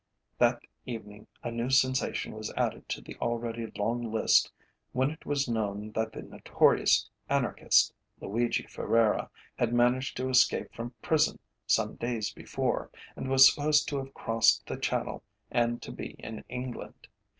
That evening a new sensation was added to the already long list when it was known that the notorious anarchist, Luigi Ferreira, had managed to escape from prison some days before, and was supposed to have crossed the Channel and to be in London.